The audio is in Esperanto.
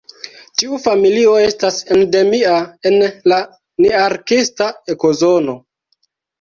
Tiu familio estas endemia en la nearktisa ekozono.